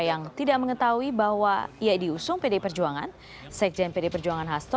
yang tidak mengetahui bahwa ia diusung pdi perjuangan sekjen pd perjuangan hasto